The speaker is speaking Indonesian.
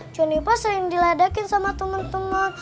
jennifer sering diledakin sama temen temen